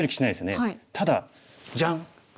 ただジャン！